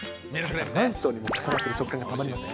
何層にも重なってる食感がたまりません。